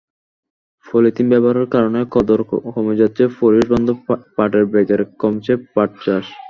Polythene ব্যবহারের কারণে কদর কমে যাচ্ছে পরিবেশবান্ধব পাটের ব্যাগের, কমছে পাটচাষ।